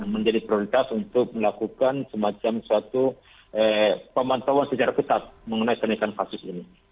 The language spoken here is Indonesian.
menjadi prioritas untuk melakukan semacam suatu pemantauan secara ketat mengenai kenaikan kasus ini